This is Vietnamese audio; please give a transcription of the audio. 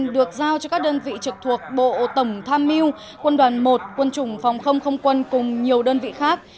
được giao cho các đơn vị trực thuộc bộ tổng tham mưu quân đoàn một quân chủng phòng không không quân cùng nhiều đơn vị khác